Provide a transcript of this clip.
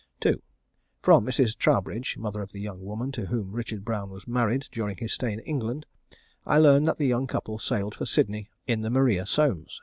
2. From Mrs. Troubridge, mother of the young woman to whom Richard Brown was married during his stay in England, I learned that the young couple sailed for Sydney in the Maria Somes.